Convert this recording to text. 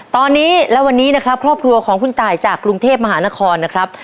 ตอนนี้และวันนี้นะครับครอบครัวของคุณตายจากกรุงเทพมหานครนะครับ